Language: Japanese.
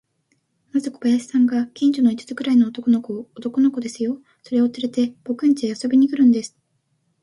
まず小林さんが、近所の五つくらいの男の子を、男の子ですよ、それをつれて、ぼくんちへ遊びに来るんです。